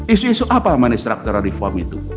isu isu apa yang mengekstrak reform itu